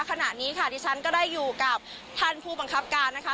ขณะนี้ค่ะดิฉันก็ได้อยู่กับท่านผู้บังคับการนะคะ